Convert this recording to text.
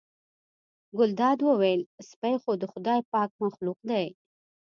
ګلداد وویل سپی خو هم د خدای پاک مخلوق دی.